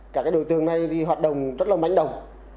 cả các đối tượng này hoạt động rất là mảnh đồng